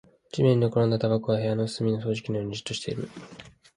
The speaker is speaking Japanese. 地面に寝転んだタバコは部屋の隅の掃除機のようにじっとしている